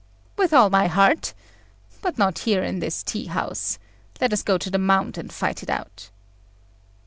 "With all my heart. But not here in this tea house. Let us go to the Mound, and fight it out."